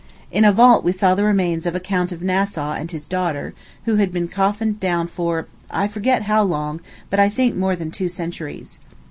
In a vault we saw the remains of a Count of Nassau and his daughter, who had been coffined down for I forget how long, but I think more than two centuries.